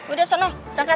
udah seno berangkat